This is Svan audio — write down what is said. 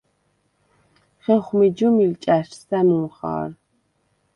ხეხუ̂მი ჯჷმილ ჭა̈შს სა̈მუნ ხა̄რ.